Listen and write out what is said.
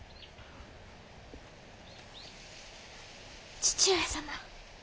義父上様。